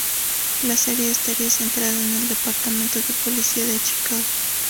La serie estaría centrada en el Departamento de Policía de Chicago.